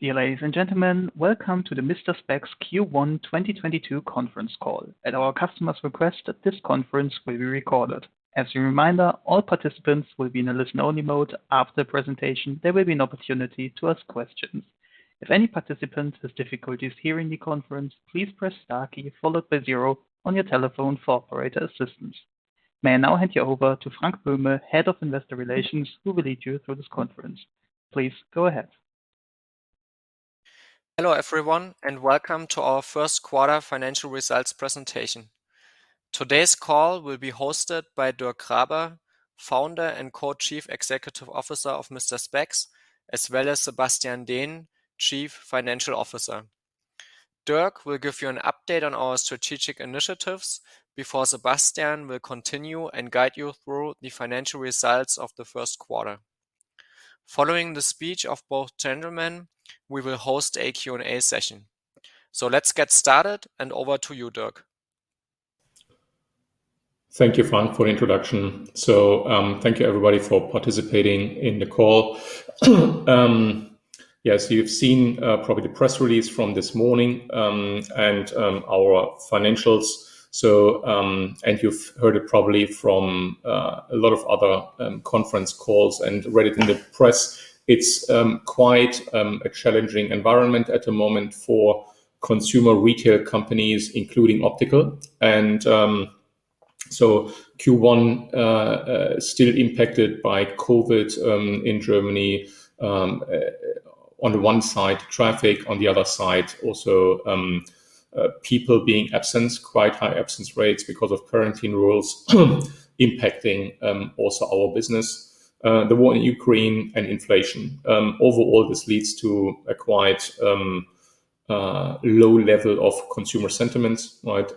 Dear ladies and gentlemen, welcome to the Mister Spex Q1 2022 Conference Call. At our customers' request, this conference will be recorded. As a reminder, all participants will be in a listen-only mode. After the presentation, there will be an opportunity to ask questions. If any participant has difficulties hearing the conference, please press star key followed by zero on your telephone for operator assistance. May I now hand you over to Frank Böhme, Head of Investor Relations, who will lead you through this conference. Please go ahead. Hello, everyone, and welcome to our first quarter financial results presentation. Today's call will be hosted by Dirk Graber, Founder and Co-Chief Executive Officer of Mister Spex, as well as Sebastian Dehnen, Chief Financial Officer. Dirk will give you an update on our strategic initiatives before Sebastian will continue and guide you through the financial results of the first quarter. Following the speech of both gentlemen, we will host a Q&A session. Let's get started, and over to you, Dirk. Thank you, Frank, for the introduction. Thank you everybody for participating in the call. Yes, you've seen probably the press release from this morning and our financials. You've heard it probably from a lot of other conference calls and read it in the press. It's quite a challenging environment at the moment for consumer retail companies, including optical. Q1 still impacted by COVID in Germany. On the one side, traffic, on the other side also people being absent, quite high absence rates because of quarantine rules impacting also our business. The war in Ukraine and inflation. Overall, this leads to a quite low level of consumer sentiments, right?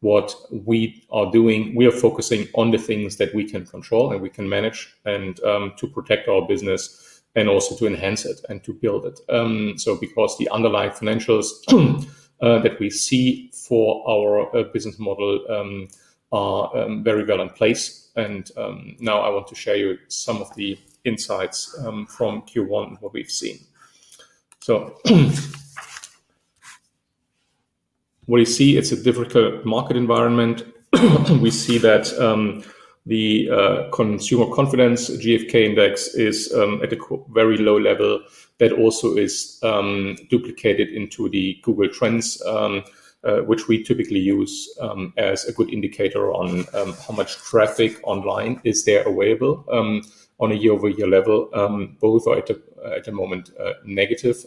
What we are doing, we are focusing on the things that we can control and we can manage and to protect our business and also to enhance it and to build it. Because the underlying financials that we see for our business model are very well in place. Now I want to show you some of the insights from Q1, what we've seen. What you see, it's a difficult market environment. We see that the consumer confidence GfK index is at a very low level. That also is duplicated into the Google Trends, which we typically use as a good indicator on how much traffic online is there available on a year-over-year level. Both are at a moment negative.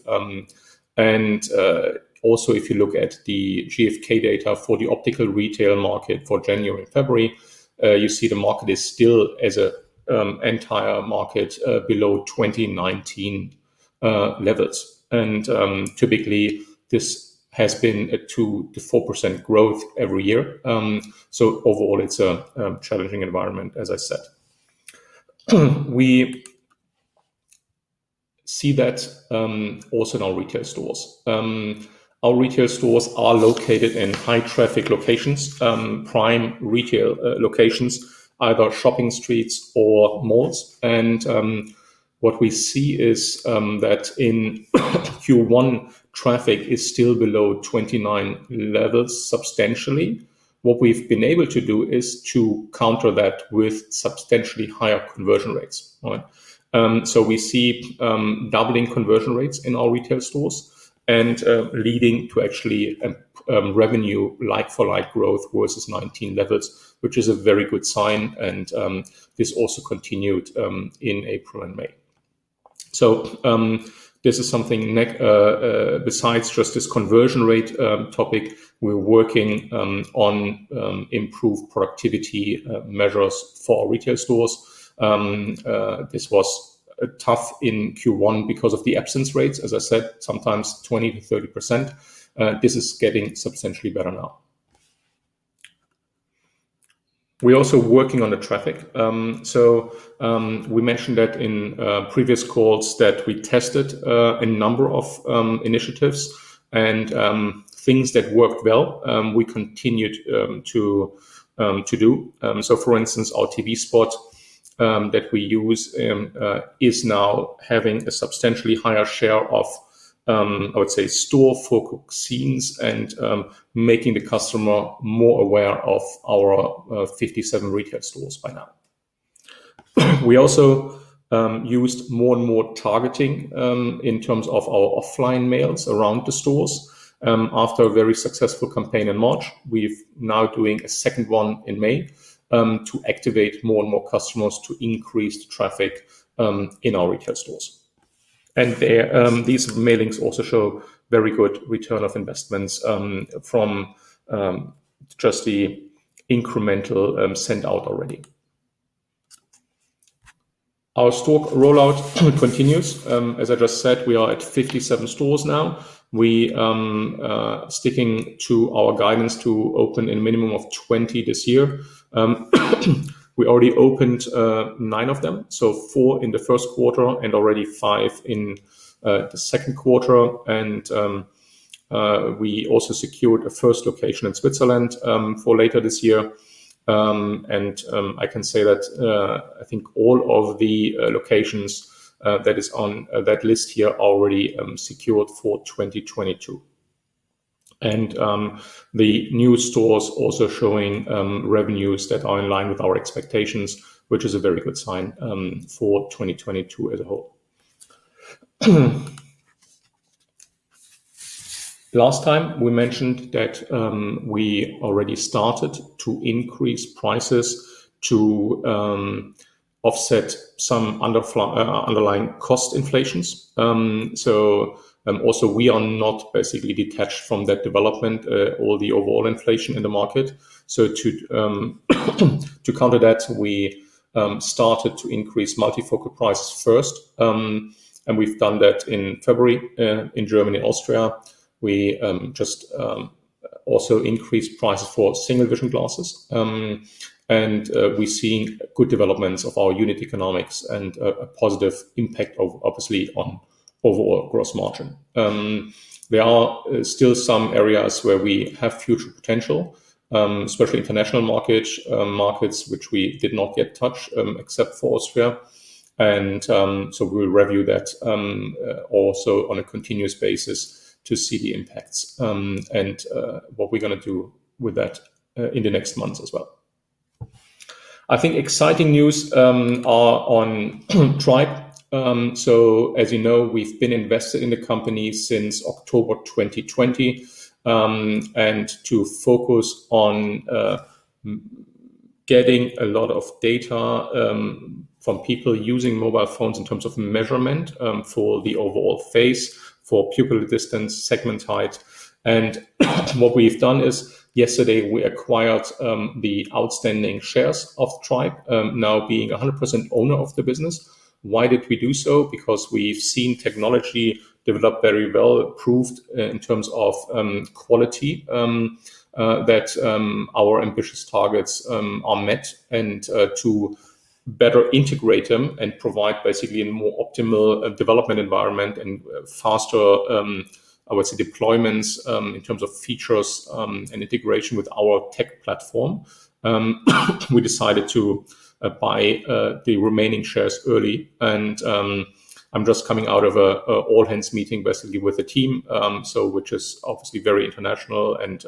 Also if you look at the GfK data for the optical retail market for January and February, you see the market is still as an entire market below 2019 levels. Typically this has been a 2%-4% growth every year. Overall, it's a challenging environment, as I said. We see that also in our retail stores. Our retail stores are located in high traffic locations, prime retail locations, either shopping streets or malls. What we see is that in Q1, traffic is still below 2019 levels substantially. What we've been able to do is to counter that with substantially higher conversion rates. All right. We see doubling conversion rates in our retail stores and leading to actually revenue like-for-like growth versus 2019 levels, which is a very good sign. This also continued in April and May. This is something besides just this conversion rate topic, we're working on improved productivity measures for our retail stores. This was tough in Q1 because of the absence rates, as I said, sometimes 20%-30%. This is getting substantially better now. We're also working on the traffic. We mentioned that in previous calls that we tested a number of initiatives and things that worked well, we continued to do. For instance, our TV spot that we use is now having a substantially higher share of, I would say, store-focused scenes and making the customer more aware of our 57 retail stores by now. We also used more and more targeting in terms of our offline mailings around the stores. After a very successful campaign in March, we've now doing a second one in May to activate more and more customers to increase the traffic in our retail stores. There, these mailings also show very good return on investment from just the incremental sent out already. Our store rollout continues. As I just said, we are at 57 stores now. We sticking to our guidance to open a minimum of 20 this year. We already opened nine of them, so four in the first quarter and already five in the second quarter. We also secured a first location in Switzerland for later this year. I can say that I think all of the locations that is on that list here are already secured for 2022. The new stores also showing revenues that are in line with our expectations, which is a very good sign for 2022 as a whole. Last time we mentioned that we already started to increase prices to offset some underlying cost inflations. Also we are not basically detached from that development or the overall inflation in the market. To counter that, we started to increase multifocal prices first, and we've done that in February in Germany, Austria. We just also increased prices for single vision glasses. We're seeing good developments of our unit economics and a positive impact of obviously on overall gross margin. There are still some areas where we have future potential, especially international markets which we did not yet touch, except for Austria. We'll review that also on a continuous basis to see the impacts, and what we're gonna do with that in the next months as well. I think exciting news are on Tribe. As you know, we've been invested in the company since October 2020, and to focus on getting a lot of data from people using mobile phones in terms of measurement for the overall face, for pupil distance, segment height. What we've done is yesterday we acquired the outstanding shares of Tribe, now being a 100% owner of the business. Why did we do so? Because we've seen technology develop very well, approved in terms of quality that our ambitious targets are met and to better integrate them and provide basically a more optimal development environment and faster, I would say deployments in terms of features and integration with our tech platform. We decided to buy the remaining shares early and I'm just coming out of an all hands meeting basically with the team, which is obviously very international and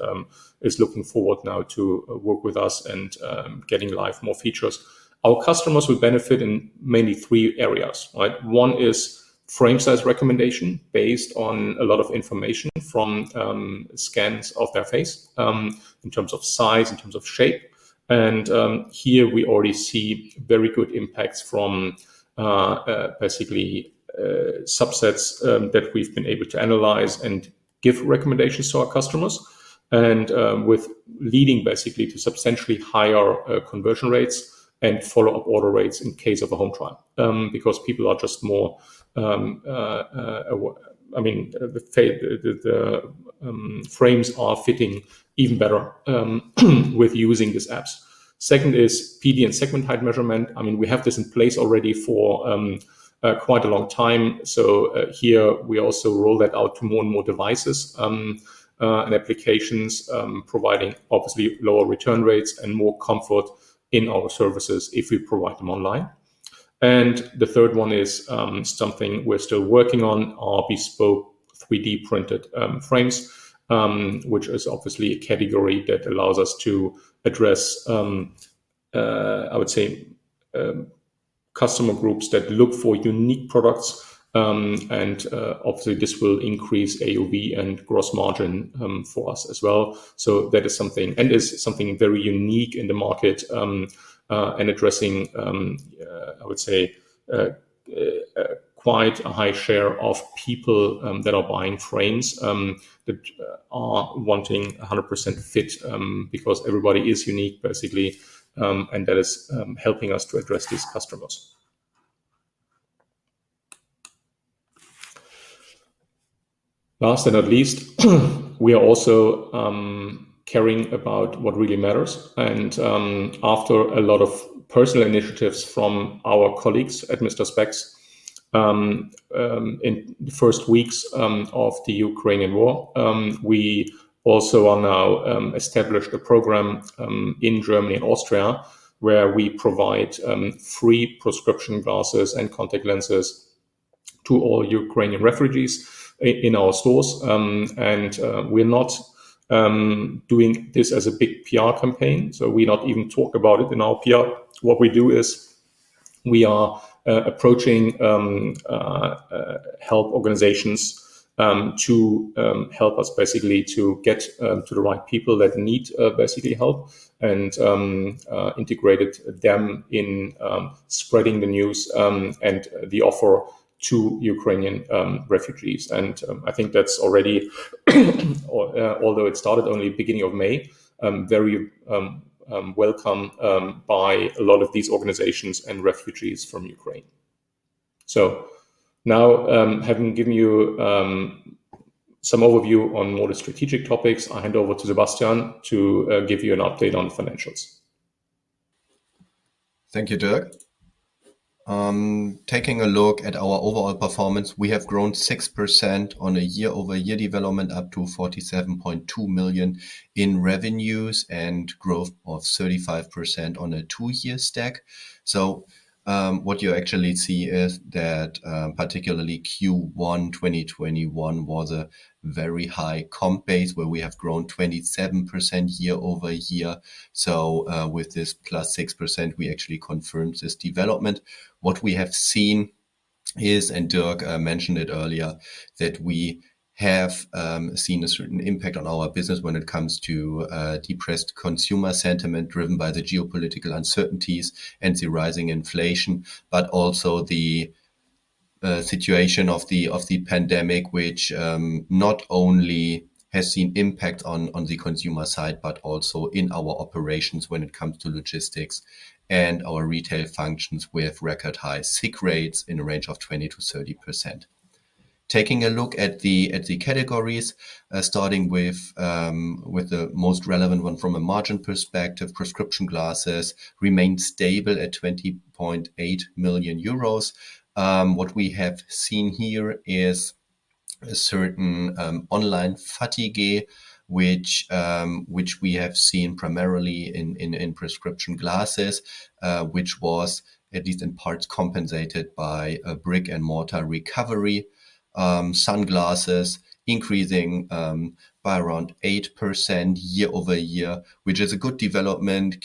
is looking forward now to work with us and getting live more features. Our customers will benefit in mainly three areas, right? One is frame size recommendation based on a lot of information from scans of their face in terms of size, in terms of shape. Here we already see very good impacts from basically subsets that we've been able to analyze and give recommendations to our customers and with leading basically to substantially higher conversion rates and follow-up order rates in case of a home trial. Because people are just more aware. I mean, the frames are fitting even better with using these apps. Second is PD and segment height measurement. I mean, we have this in place already for quite a long time, so here we also roll that out to more and more devices and applications, providing obviously lower return rates and more comfort in our services if we provide them online. The third one is something we're still working on, our bespoke 3D-printed frames, which is obviously a category that allows us to address, I would say, customer groups that look for unique products. Obviously this will increase AOV and gross margin for us as well. That is something very unique in the market, addressing, I would say, quite a high share of people that are buying frames that are wanting a 100% fit, because everybody is unique, basically. That is helping us to address these customers. Last but not least, we are also caring about what really matters. After a lot of personal initiatives from our colleagues at Mister Spex in the first weeks of the Ukrainian war, we have now established a program in Germany and Austria, where we provide free prescription glasses and contact lenses to all Ukrainian refugees in our stores. We're not doing this as a big PR campaign, so we not even talk about it in our PR. What we do is we are approaching health organizations to help us basically to get to the right people that need basically help and integrated them in spreading the news and the offer to Ukrainian refugees. I think that's already, although it started only beginning of May, very welcome by a lot of these organizations and refugees from Ukraine. Now, having given you some overview on more the strategic topics, I hand over to Sebastian to give you an update on financials. Thank you, Dirk. Taking a look at our overall performance, we have grown 6% on a year-over-year development up to 47.2 million in revenues and growth of 35% on a two-year stack. What you actually see is that, particularly Q1 2021 was a very high comp base, where we have grown 27% year-over-year. With this +6%, we actually confirmed this development. What we have seen is, and Dirk mentioned it earlier, that we have seen a certain impact on our business when it comes to depressed consumer sentiment driven by the geopolitical uncertainties and the rising inflation. Also the situation of the pandemic, which not only has seen impact on the consumer side, but also in our operations when it comes to logistics and our retail functions with record high sick rates in a range of 20%-30%. Taking a look at the categories, starting with the most relevant one from a margin perspective, prescription glasses remained stable at 20.8 million euros. What we have seen here is a certain online fatigue, which we have seen primarily in prescription glasses, which was at least in parts compensated by a brick and mortar recovery. Sunglasses increasing by around 8% year over year, which is a good development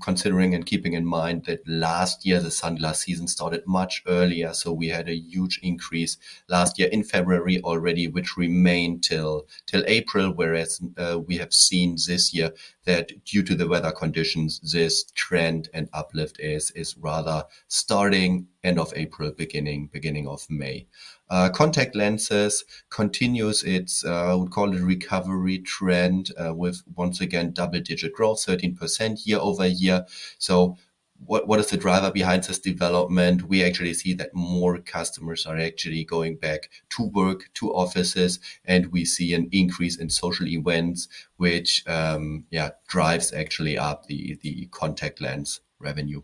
considering and keeping in mind that last year the sunglasses season started much earlier, so we had a huge increase last year in February already, which remained till April. Whereas, we have seen this year that due to the weather conditions, this trend and uplift is rather starting end of April, beginning of May. Contact lenses continues its recovery trend with once again double-digit growth, 13% year over year. What is the driver behind this development? We actually see that more customers are actually going back to work, to offices, and we see an increase in social events, which actually drives up the contact lens revenue.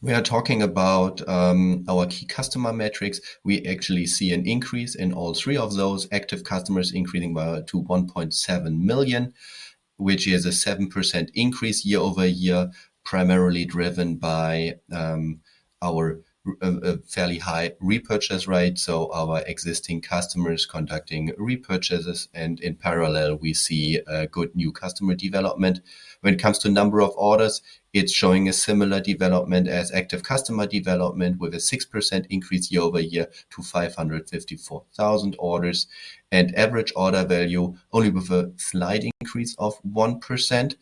We are talking about our key customer metrics. We actually see an increase in all three of those active customers, increasing to 1.7 million, which is a 7% increase year-over-year, primarily driven by our fairly high repurchase rate, so our existing customers conducting repurchases, and in parallel, we see a good new customer development. When it comes to number of orders, it's showing a similar development as active customer development with a 6% increase year-over-year to 554,000 orders and average order value only with a slight increase of 1%,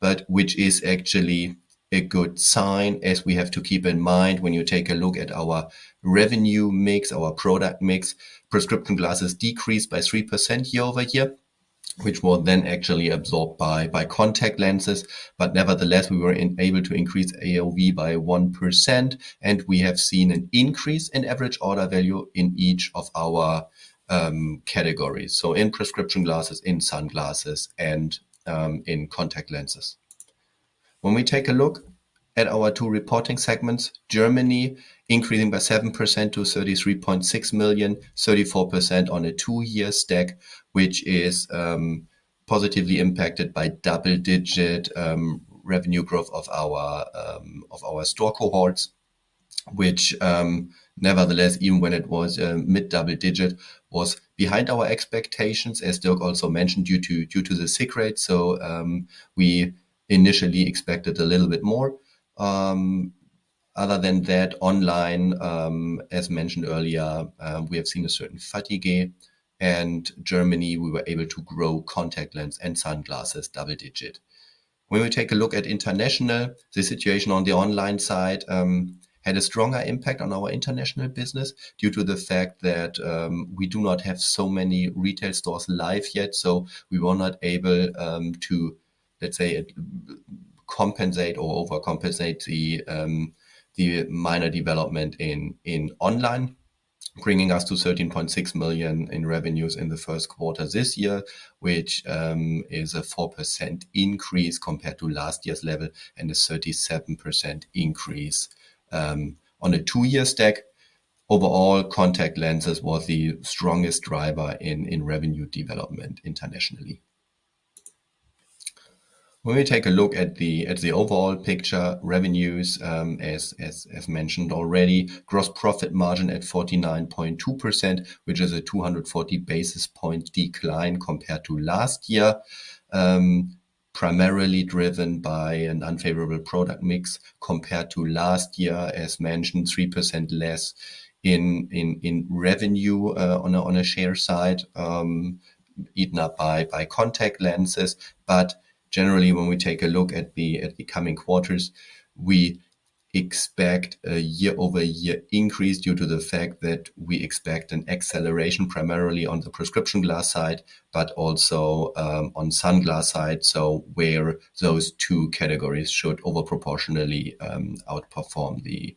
but which is actually a good sign, as we have to keep in mind when you take a look at our revenue mix, our product mix, prescription glasses decreased by 3% year-over-year, which was then actually absorbed by contact lenses. Nevertheless, we were able to increase AOV by 1%, and we have seen an increase in average order value in each of our categories, so in prescription glasses, in sunglasses, and in contact lenses. When we take a look at our two reporting segments, Germany increasing by 7% to 33.6 million, 34% on a two-year stack, which is positively impacted by double-digit revenue growth of our store cohorts, which nevertheless, even when it was mid double-digit, was behind our expectations, as Dirk Graber also mentioned, due to the sick rate. We initially expected a little bit more. Other than that, online, as mentioned earlier, we have seen a certain fatigue. Germany, we were able to grow contact lenses and sunglasses double-digit. When we take a look at international, the situation on the online side had a stronger impact on our international business due to the fact that we do not have so many retail stores live yet, so we were not able to, let's say, compensate or overcompensate the the minor development in online, bringing us to 13.6 million in revenues in the first quarter this year, which is a 4% increase compared to last year's level and a 37% increase on a two-year stack. Overall, contact lenses was the strongest driver in revenue development internationally. When we take a look at the overall picture, revenues, as mentioned already, gross profit margin at 49.2%, which is a 240 basis point decline compared to last year, primarily driven by an unfavorable product mix compared to last year. As mentioned, 3% less in revenue on a spectacles side, eaten up by contact lenses. Generally, when we take a look at the coming quarters, we expect a year-over-year increase due to the fact that we expect an acceleration primarily on the prescription glasses side, but also on sunglasses side. Where those two categories should over proportionally outperform the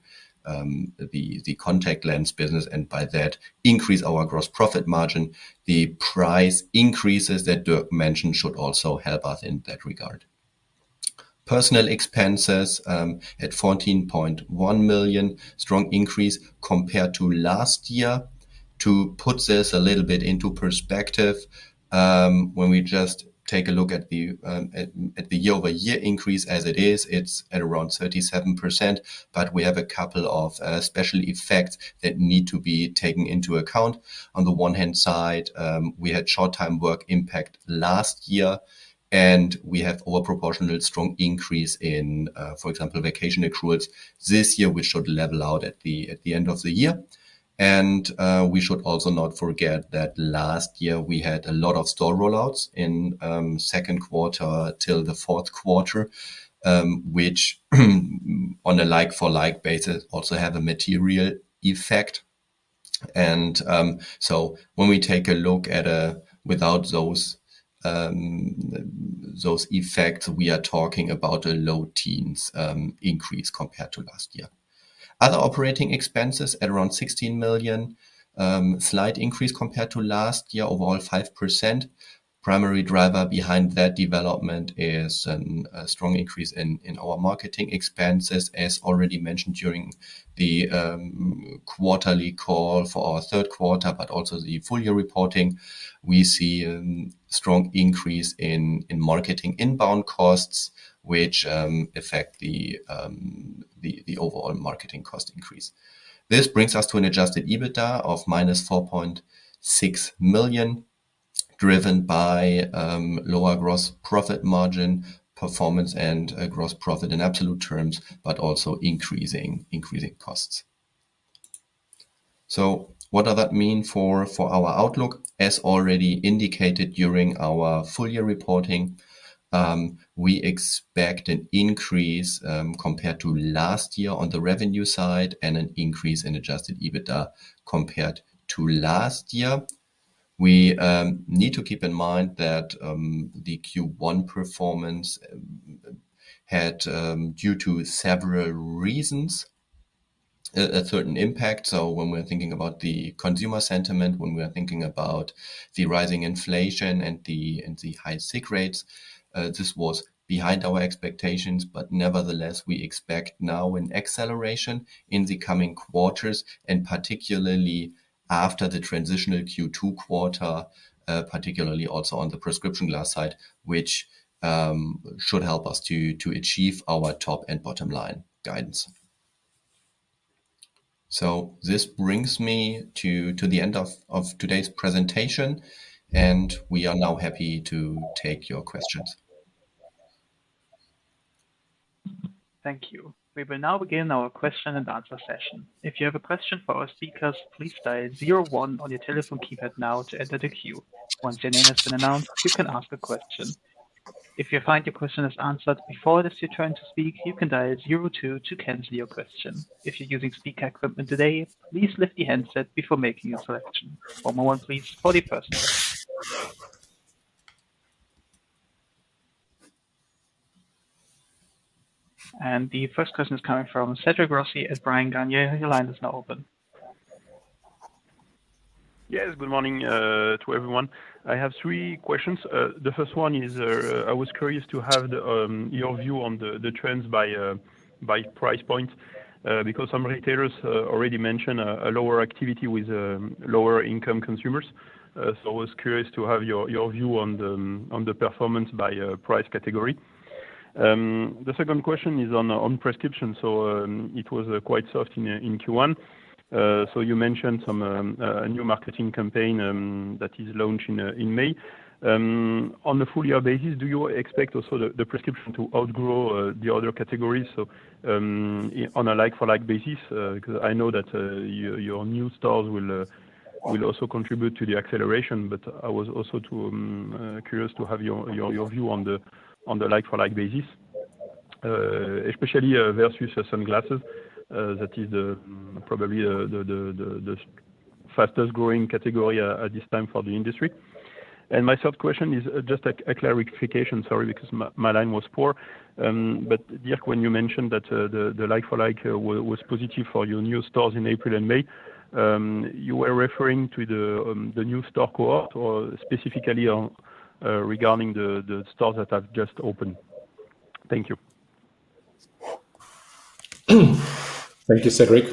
contact lenses business, and by that increase our gross profit margin. The price increases that Dirk mentioned should also help us in that regard. Personal expenses at 14.1 million. Strong increase compared to last year. To put this a little bit into perspective, when we just take a look at the year-over-year increase as it is, it's at around 37%, but we have a couple of special effects that need to be taken into account. On the one hand side, we had short-time work impact last year, and we have over-proportional strong increase in, for example, vacation accruals. This year, we should level out at the end of the year. We should also not forget that last year we had a lot of store rollouts in second quarter till the fourth quarter, which on a like for like basis also have a material effect. When we take a look at without those effects, we are talking about a low teens increase compared to last year. Other operating expenses at around 16 million, slight increase compared to last year, overall 5%. Primary driver behind that development is a strong increase in our marketing expenses, as already mentioned during the quarterly call for our third quarter, but also the full year reporting. We see strong increase in marketing inbound costs, which affect the overall marketing cost increase. This brings us to an adjusted EBITDA of -4.6 million, driven by lower gross profit margin performance and a gross profit in absolute terms, but also increasing costs. What does that mean for our outlook? As already indicated during our full year reporting, we expect an increase compared to last year on the revenue side and an increase in adjusted EBITDA compared to last year. We need to keep in mind that the Q1 performance had due to several reasons a certain impact. When we're thinking about the consumer sentiment, when we are thinking about the rising inflation and the high sick rates, this was behind our expectations. Nevertheless, we expect now an acceleration in the coming quarters, and particularly after the transitional Q2 quarter, particularly also on the prescription glasses side, which should help us to achieve our top and bottom line guidance. This brings me to the end of today's presentation, and we are now happy to take your questions. Thank you. We will now begin our question and answer session. If you have a question for our speakers, please dial zero one on your telephone keypad now to enter the queue. Once your name has been announced, you can ask a question. If you find your question is answered before it is your turn to speak, you can dial zero two to cancel your question. If you're using speaker equipment today, please lift the handset before making a selection. One moment please for the first question. The first question is coming from Cédric Rossi at Bryan Garnier & Co. Your line is now open. Yes. Good morning to everyone. I have three questions. The first one is, I was curious to have your view on the trends by price point, because some retailers already mentioned a lower activity with lower income consumers. I was curious to have your view on the performance by price category. The second question is on prescription. It was quite soft in Q1. You mentioned some new marketing campaign that is launched in May. On a full year basis, do you expect also the prescription to outgrow the other categories? On a like for like basis, because I know that your new stores will also contribute to the acceleration, but I was also curious to have your view on the like for like basis, especially versus sunglasses. That is probably the fastest growing category at this time for the industry. My third question is just a clarification. Sorry, because my line was poor. Dirk, when you mentioned that the like for like was positive for your new stores in April and May, you were referring to the new store cohort or specifically regarding the stores that have just opened? Thank you. Thank you, Cédric.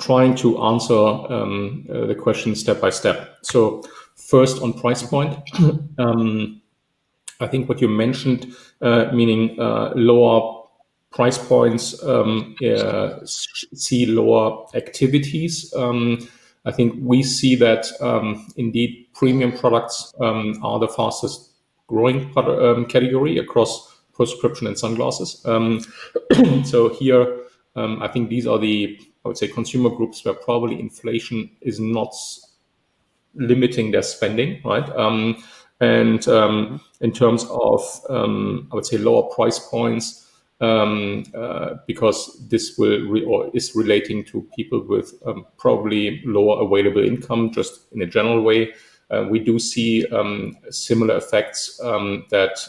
Trying to answer the question step by step. First on price point. I think what you mentioned, meaning lower price points, see lower activities. I think we see that, indeed premium products are the fastest growing category across prescription and sunglasses. Here, I think these are the, I would say, consumer groups where probably inflation is not limiting their spending, right? In terms of, I would say lower price points, because this or is relating to people with, probably lower available income, just in a general way. We do see, similar effects, that,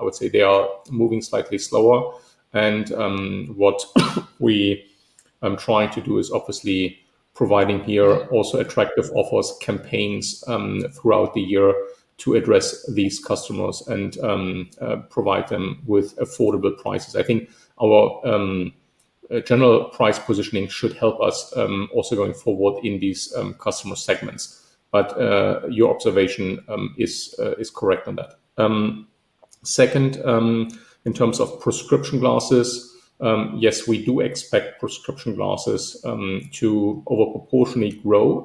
I would say they are moving slightly slower. What we. I'm trying to do is obviously providing here also attractive offers, campaigns throughout the year to address these customers and provide them with affordable prices. I think our general price positioning should help us also going forward in these customer segments. Your observation is correct on that. Second, in terms of prescription glasses, yes, we do expect prescription glasses to over proportionally grow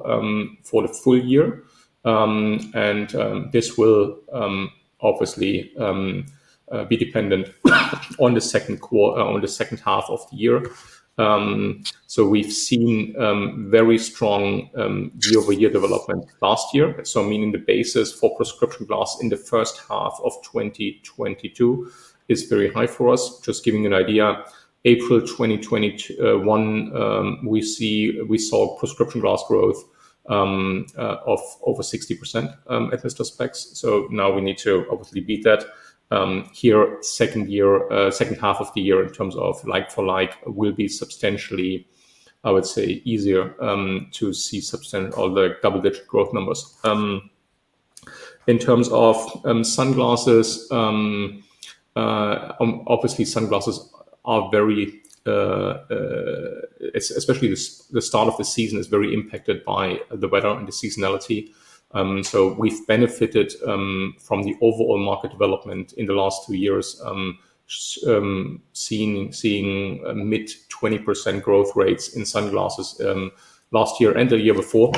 for the full year. This will obviously be dependent on the second half of the year. We've seen very strong year-over-year development last year, so meaning the basis for prescription glasses in the first half of 2022 is very high for us. Just giving you an idea, in April 2021, we saw prescription glasses growth of over 60% at EssilorLuxottica. Now we need to obviously beat that. In our second year, second half of the year in terms of like-for-like will be substantially, I would say, easier to see substantial or the double-digit growth numbers. In terms of sunglasses, obviously sunglasses are very especially the start of the season is very impacted by the weather and the seasonality. We've benefited from the overall market development in the last two years, seeing mid-20% growth rates in sunglasses last year and the year before.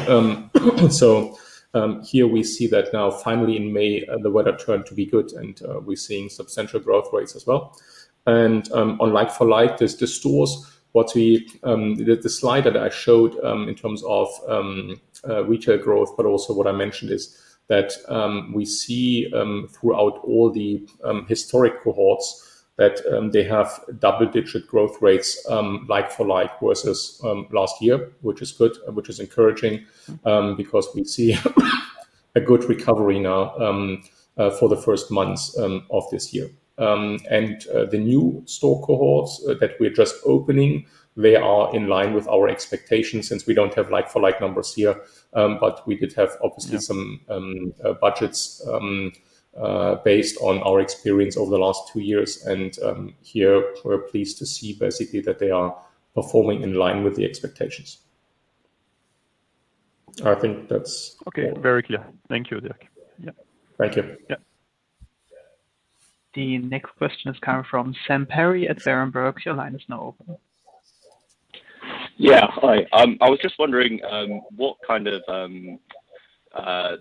Here we see that now finally in May, the weather turned to be good, and we're seeing substantial growth rates as well. On like-for-like, the stores, the slide that I showed in terms of retail growth, but also what I mentioned is that we see throughout all the historic cohorts that they have double-digit growth rates like-for-like versus last year, which is good, which is encouraging, because we see a good recovery now for the first months of this year. The new store cohorts that we're just opening, they are in line with our expectations since we don't have like-for-like numbers here. We did have obviously some budgets based on our experience over the last two years. Here we're pleased to see basically that they are performing in line with the expectations. I think that's. Okay. Very clear. Thank you, Dirk. Yeah. Thank you. Yeah. The next question is coming from Sam England at Berenberg. Your line is now open. Yeah. Hi. I was just wondering what kind of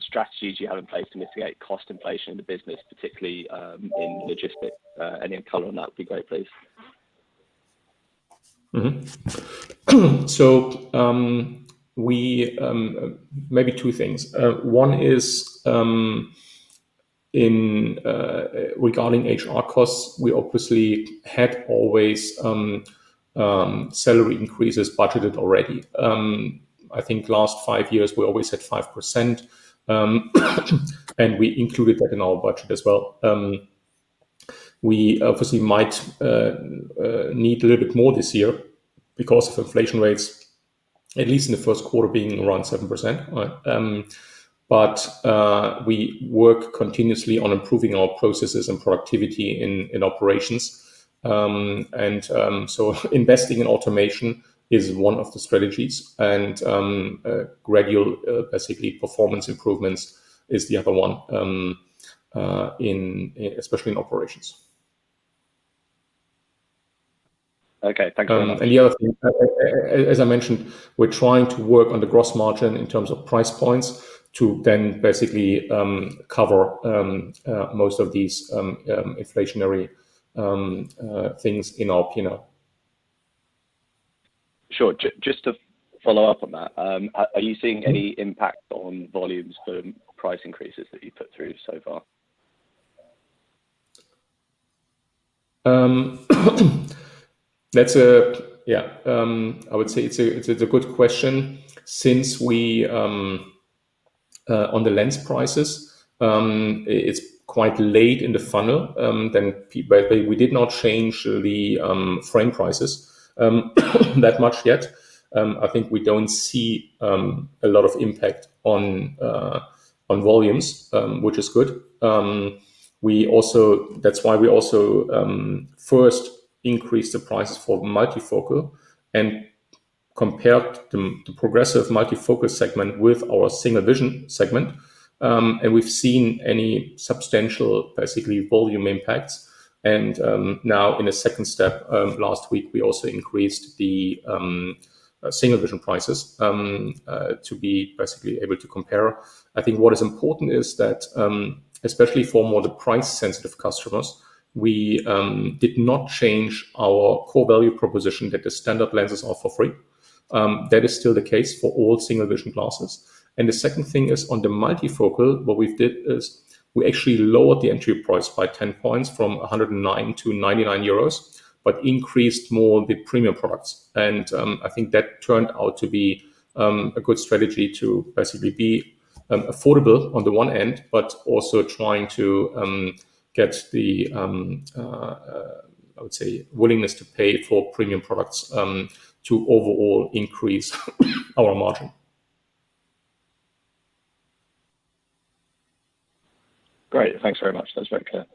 strategies you have in place to mitigate cost inflation in the business, particularly in logistics. Any color on that would be great, please. Maybe two things. One is regarding HR costs, we obviously had always salary increases budgeted already. I think last five years, we always had 5%, and we included that in our budget as well. We obviously might need a little bit more this year because of inflation rates, at least in the first quarter, being around 7%. We work continuously on improving our processes and productivity in operations. Investing in automation is one of the strategies. Gradual basically performance improvements is the other one, especially in operations. Okay. Thank you very much. As I mentioned, we're trying to work on the gross margin in terms of price points to then basically cover most of these inflationary things in our P&L. Sure. Just to follow up on that, are you seeing any impact on volumes for price increases that you've put through so far? That's a good question. Since, on the lens prices, it's quite late in the funnel. By the way, we did not change the frame prices that much yet. I think we don't see a lot of impact on volumes, which is good. That's why we also first increased the price for multifocal and compared the progressive multifocal segment with our single vision segment. We haven't seen any substantial, basically, volume impacts. Now, in the second step, last week, we also increased the single vision prices to be basically able to compare. I think what is important is that, especially for the more price-sensitive customers, we did not change our core value proposition that the standard lenses are for free. That is still the case for all single vision glasses. The second thing is on the multifocal, what we've did is we actually lowered the entry price by 10 points from 109 to 99 euros, but increased more the premium products. I think that turned out to be a good strategy to basically be affordable on the one end, but also trying to get the, I would say, willingness to pay for premium products, to overall increase our margin. Great. Thanks very much. That's very clear.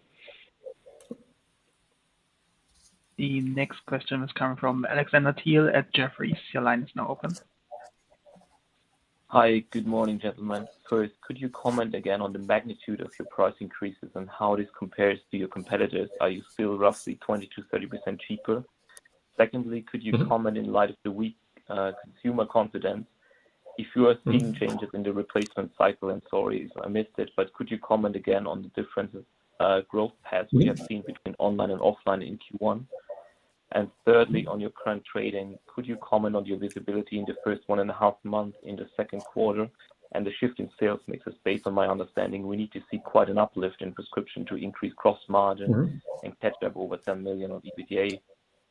The next question is coming from Alexander Thiel at Jefferies. Your line is now open. Hi, good morning, gentlemen. First, could you comment again on the magnitude of your price increases and how this compares to your competitors? Are you still roughly 20%-30% cheaper? Secondly, could you comment in light of the weak consumer confidence, if you are seeing changes in the replacement cycle, and sorry if I missed it, but could you comment again on the difference of growth paths we have seen between online and offline in Q1? Thirdly, on your current trading, could you comment on your visibility in the first 1.5 months in the second quarter and the shift in sales mix? Based on my understanding, we need to see quite an uplift in prescription to increase gross margin. Mm-hmm. Catch back over 10 million of EBITDA,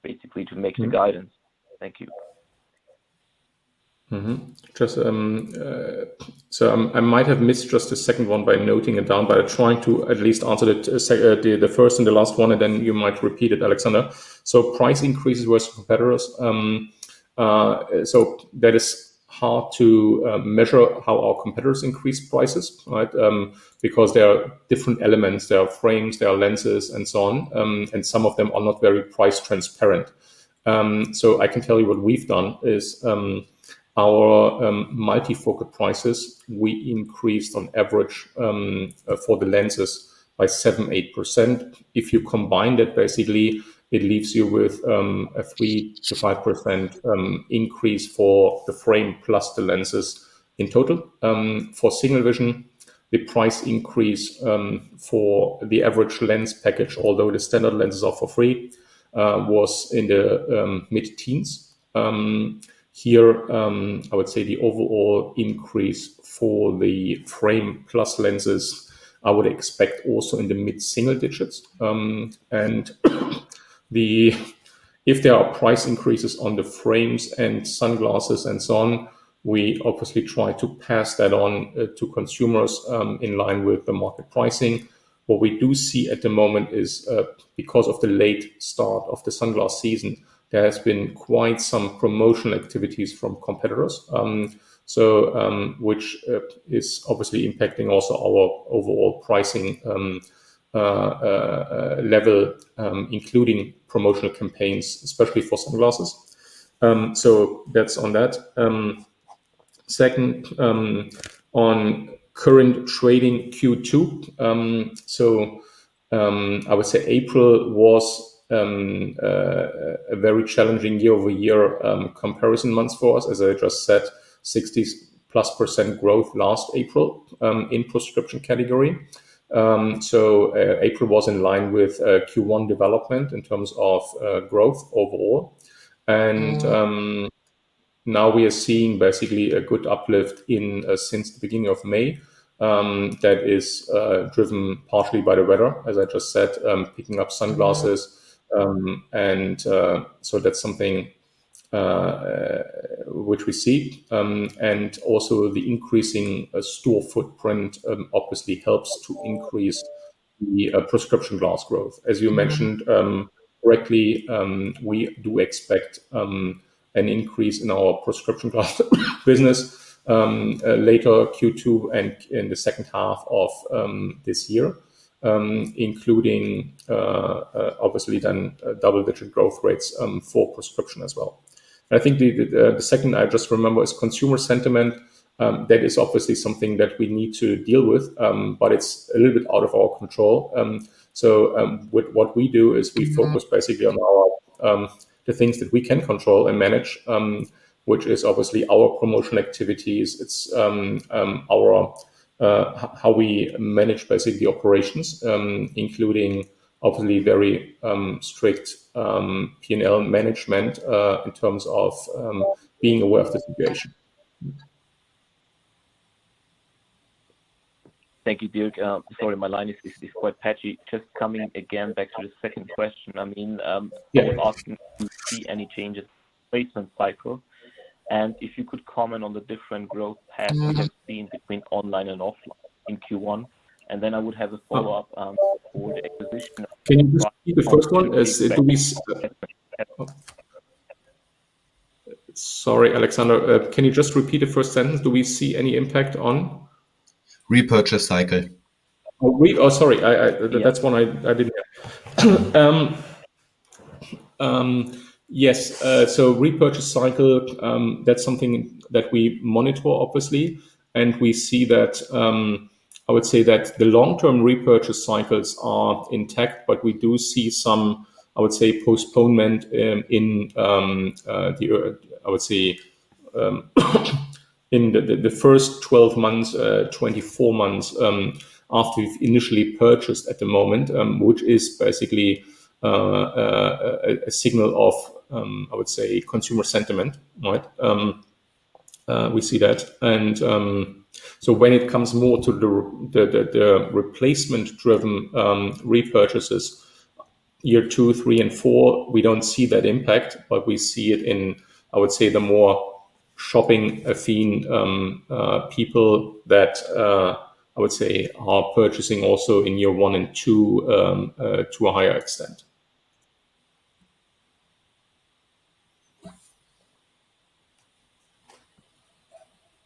basically to make the guidance. Thank you. I might have missed just the second one by noting it down, but I'll try to at least answer the first and the last one, and then you might repeat it, Alexander Thiel. Price increases versus competitors, that is hard to measure how our competitors increase prices, right? Because there are different elements. There are frames, there are lenses and so on. Some of them are not very price transparent. I can tell you what we've done is, our multifocal prices, we increased on average, for the lenses by 7%-8%. If you combine that, basically it leaves you with a 3%-5% increase for the frame plus the lenses in total. For single vision, the price increase for the average lens package, although the standard lenses are for free, was in the mid-teens. Here, I would say the overall increase for the frame plus lenses, I would expect also in the mid-single digits. If there are price increases on the frames and sunglasses and so on, we obviously try to pass that on to consumers in line with the market pricing. What we do see at the moment is, because of the late start of the sunglasses season, there has been quite some promotional activities from competitors. Which is obviously impacting also our overall pricing level, including promotional campaigns, especially for sunglasses. That's on that. Second, on current trading Q2. I would say April was a very challenging year-over-year comparison month for us, as I just said, 60%+ growth last April in prescription category. April was in line with Q1 development in terms of growth overall. Now we are seeing basically a good uplift since the beginning of May that is driven partly by the weather, as I just said, picking up sunglasses. That's something which we see. Also the increasing store footprint obviously helps to increase the prescription glasses growth. As you mentioned correctly, we do expect an increase in our prescription glasses business later Q2 and in the second half of this year. Including, obviously then double-digit growth rates for prescription as well. I think the second I just remember is consumer sentiment. That is obviously something that we need to deal with, but it's a little bit out of our control. What we do is we focus basically on the things that we can control and manage, which is obviously our promotional activities. It's how we manage basically operations, including obviously very strict P&L management, in terms of being aware of the situation. Thank you, Dirk. Sorry, my line is quite patchy. Just coming again back to the second question. I mean, Yes. I was asking, do you see any changes replacement cycle? If you could comment on the different growth paths you have seen between online and offline in Q1. I would have a follow-up for the acquisition of- Can you just repeat the first one? Sorry, Alexander, can you just repeat the first sentence? Do we see any impact on? Repurchase cycle. Oh, sorry. Yeah. That's one I didn't get. Yes. So repurchase cycle, that's something that we monitor obviously, and we see that. I would say that the long-term repurchase cycles are intact, but we do see some, I would say, postponement in the first 12 months, 24 months after you've initially purchased at the moment, which is basically a signal of, I would say, consumer sentiment, right? We see that. When it comes more to the replacement driven repurchases year two, three and four, we don't see that impact, but we see it in, I would say, the more shopping-affine people that I would say are purchasing also in year one and two to a higher extent.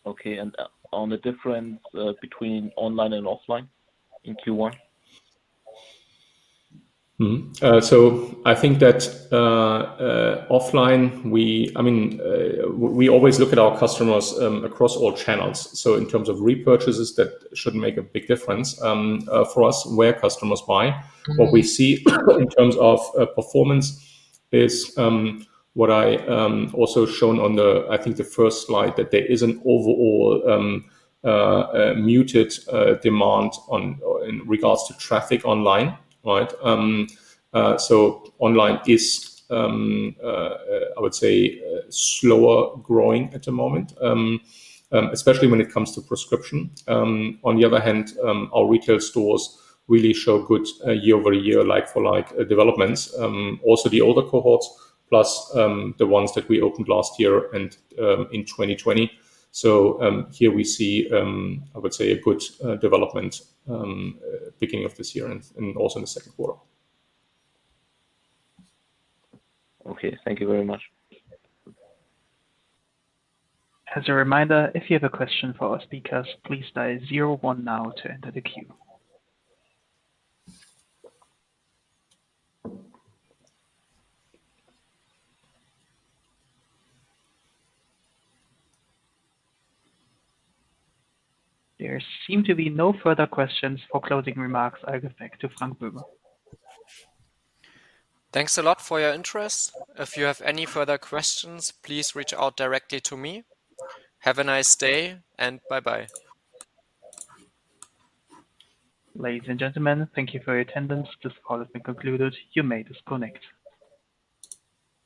Okay. On the difference between online and offline in Q1? I think that offline, I mean, we always look at our customers across all channels. In terms of repurchases, that shouldn't make a big difference for us where customers buy. What we see in terms of performance is what I also shown on the, I think the first slide, that there is an overall muted demand in regards to traffic online, right? Online is, I would say, slower growing at the moment, especially when it comes to prescription. On the other hand, our retail stores really show good year-over-year like-for-like developments. Also the older cohorts plus the ones that we opened last year and in 2020. Here we see, I would say, a good development beginning of this year and also in the second quarter. Okay. Thank you very much. As a reminder, if you have a question for our speakers, please dial zero one now to enter the queue. There seem to be no further questions. For closing remarks, I'll give back to Frank Böhme. Thanks a lot for your interest. If you have any further questions, please reach out directly to me. Have a nice day, and bye-bye. Ladies and gentlemen, thank you for your attendance. This call has been concluded. You may disconnect.